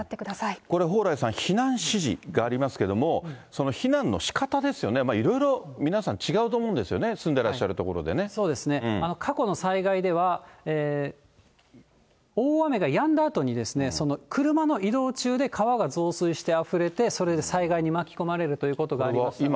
これ蓬莱さん、避難指示がありますけれども、避難のしかたですよね、いろいろ皆さん、違うと思うんですよね、そうですね、過去の災害では、大雨がやんだあとに車の移動中で川が増水してあふれて、それで災害に巻き込まれるということがありましたので。